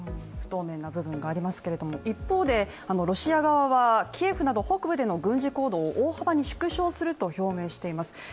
不透明な部分がありますけれども一方でロシア側はキエフでの軍事行動を大幅に縮小すると表明しています。